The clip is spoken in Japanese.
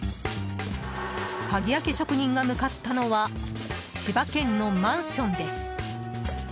鍵開け職人が向かったのは千葉県のマンションです。